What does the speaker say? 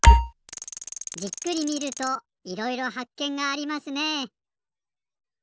じっくり見るといろいろはっけんがありますね。